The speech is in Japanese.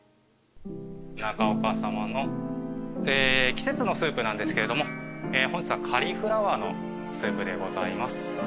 中岡さまの季節のスープなんですけれども本日はカリフラワーのスープでございます。